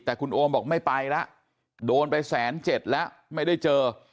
แต่คุณโอมบอกไม่ไปแล้วโดนไปแสนเจ็ดแล้วไม่ได้เจอ